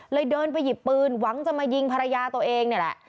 เดินไปหยิบปืนหวังจะมายิงภรรยาตัวเองนี่แหละ